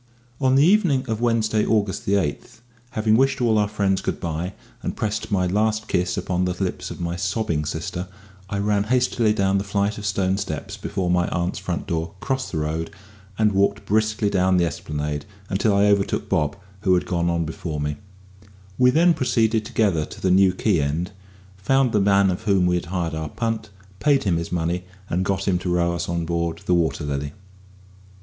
On the evening of Wednesday, August 8th, 18 , having wished all our friends good bye, and pressed my last kiss upon the lips of my sobbing sister, I ran hastily down the flight of stone steps before my aunt's front door, crossed the road, and walked briskly down the Esplanade until I overtook Bob, who had gone on before me; we then proceeded together to the New Quay end, found the man of whom we had hired our punt, paid him his money, and got him to row us on board the Water Lily.